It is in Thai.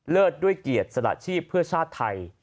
เลิศด้วยเกียรติศาสตราชีพเพื่อชาติไทย